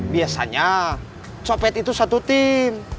biasanya copet itu satu tim